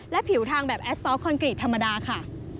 และผิวทางแบบแอสตอลคอนกรีตธรรมดาค่ะ